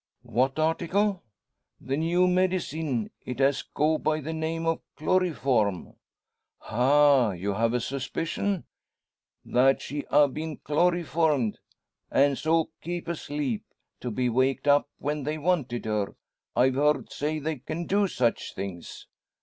"What article?" "The new medicine; it as go by the name o' chloryform." "Ha! you have a suspicion " "That she ha' been chloryformed, an' so kep' asleep to be waked up when they wanted her. I've heerd say, they can do such things."